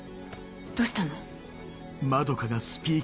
どうしたの？